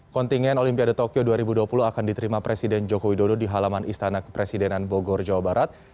kontingen olimpiade tokyo dua ribu dua puluh akan diterima presiden joko widodo di halaman istana kepresidenan bogor jawa barat